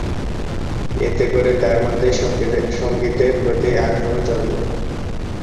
এতে করে তার মধ্যে সঙ্গীতের প্রতি আগ্রহ জন্মে।